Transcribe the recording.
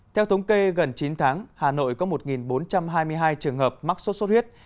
theo thống kê gần chín tháng hà nội có một bốn trăm hai mươi hai trường hợp mắc sốt xuất huyết